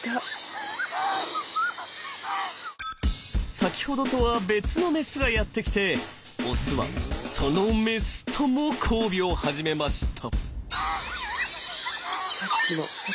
先ほどとは別のメスがやって来てオスはそのメスとも交尾を始めました。